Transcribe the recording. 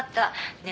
ねえ。